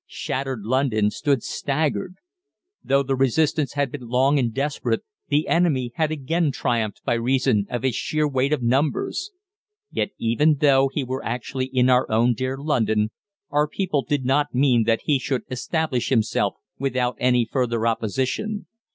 Shattered London stood staggered. Though the resistance had been long and desperate, the enemy had again triumphed by reason of his sheer weight of numbers. Yet, even though he were actually in our own dear London, our people did not mean that he should establish himself without any further opposition.